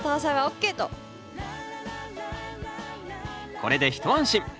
これで一安心。